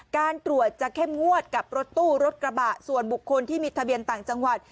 การตรวจจะเข้มงวดกับรถตู้รถกระบะส่วนบุคคลที่มีทะเบียนต่างจังหวัด